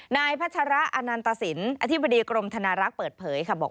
นายพัชระอนันตสินอธิบดีกรมธนารักษ์เปิดเผยค่ะบอก